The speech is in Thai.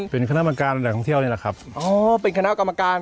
อันดับกำเที่ยวนี้แหละครับอ๋อเป็นคาแนลกรรมการ